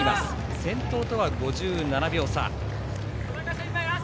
先頭とは５７秒差。